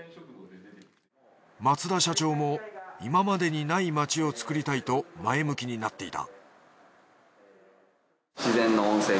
松田社長も今までにない街をつくりたいと前向きになっていた